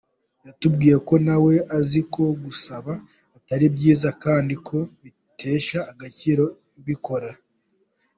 Yatubwiye ko na we azi ko gusaba atari byiza, kandi ko bitesha agaciro ubikora.